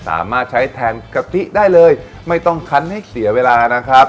สามารถใช้แทนกะทิได้เลยไม่ต้องคันให้เสียเวลานะครับ